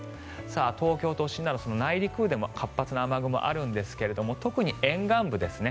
東京都心など内陸部でも活発な雨雲があるんですが特に沿岸部ですね。